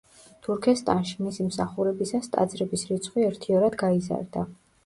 თურქესტანში მისი მსახურებისას ტაძრების რიცხვი ერთიორად გაიზარდა.